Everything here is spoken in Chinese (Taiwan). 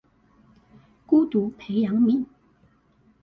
孤獨培養皿